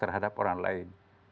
terhadap orang lain